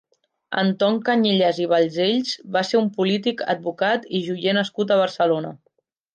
Anton Cañellas i Balcells va ser un polític, advocat i joier nascut a Barcelona.